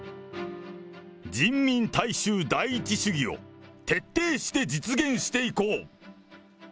人民大衆第一主義を徹底して実現していこう。